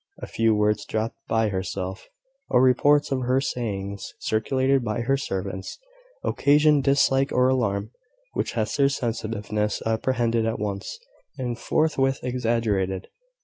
A few words dropped by herself, or reports of her sayings, circulated by her servants, occasioned dislike or alarm which Hester's sensitiveness apprehended at once, and forthwith exaggerated.